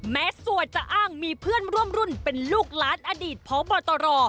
สัวจะอ้างมีเพื่อนร่วมรุ่นเป็นลูกล้านอดีตพบตร